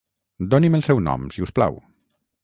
Doni'm el seu nom, si us plau.